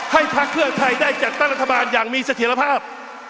พักเพื่อไทยได้จัดตั้งรัฐบาลอย่างมีเสถียรภาพ